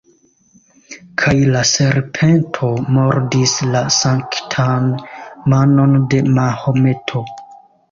Kaj la serpento mordis la sanktan manon de Mahometo.